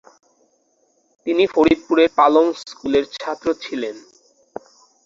তিনি ফরিদপুরের পালং স্কুলের ছাত্র ছিলেন।